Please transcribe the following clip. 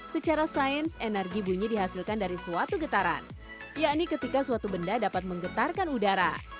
secara sains energi bunyi dihasilkan dari suatu getaran yakni ketika suatu benda dapat menggetarkan udara